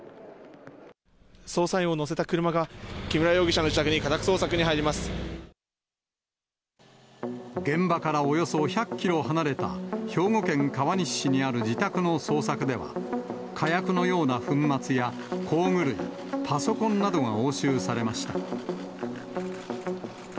捜査員を乗せた車が、木村容現場からおよそ１００キロ離れた、兵庫県川西市にある自宅の捜索では、火薬のような粉末や工具類、パソコンなどが押収されました。